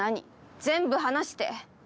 全部話して。